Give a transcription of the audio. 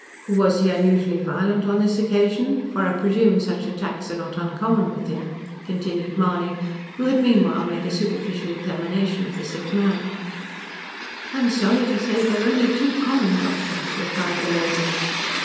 "Was he unusually violent on this occasion? for I presume such attacks are not uncommon with him," continued Mahony, who had meanwhile made a superficial examination of the sick man. "I am sorry to say they are only too common, doctor," replied the lady.